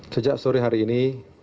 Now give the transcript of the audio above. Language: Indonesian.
sejak sore hari ini